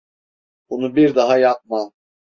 Bunu bir daha yapma.